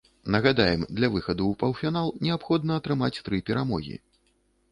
Нагадаем, для выхаду ў паўфінал неабходна атрымаць тры перамогі.